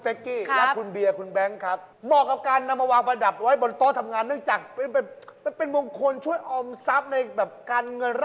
แต่จริงแล้วอยากให้ตัดทิ้งไปหมดทุกต้นเลย